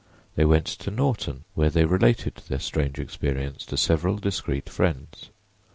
They went to Norton, where they related their strange experience to several discreet friends.